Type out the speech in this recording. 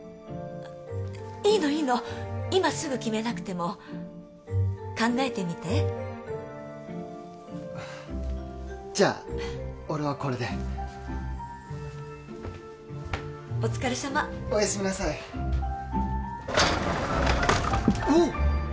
いいのいいの今すぐ決めなくても考えてみてじゃあ俺はこれでお疲れさまおやすみなさいうおっ！